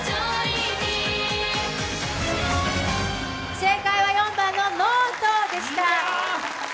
正解は４番のノートでした。